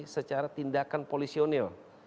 secara tindakan polisionil